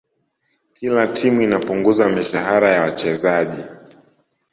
kila timu inapunguza mishahara ya wachezaji